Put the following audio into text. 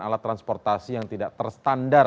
alat transportasi yang tidak terstandar